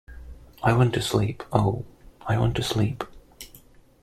I want to sleep — oh, I want to sleep.